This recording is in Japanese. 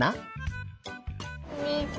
みず。